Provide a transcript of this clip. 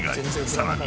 ［さらに］